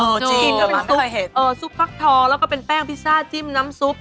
เออจริงไม่เคยเห็นเออซุปฟักทองแล้วก็เป็นแป้งพิซซ่าจิ้มน้ำซุป